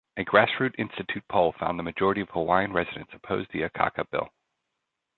A Grassroot Institute poll found the majority of Hawaiian residents opposed the Akaka Bill.